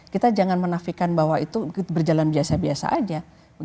kita jangan menafikan bahwa itu berjalan biasa biasa aja